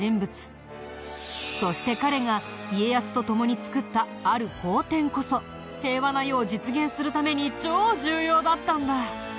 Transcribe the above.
そして彼が家康と共に作ったある法典こそ平和な世を実現するために超重要だったんだ。